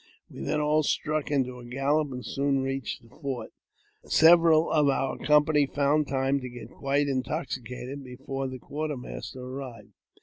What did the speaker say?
We then all struck into a gallop, and soon reached the fort, and several of our company found time to get quite intoxicated before the quartermaster arrived.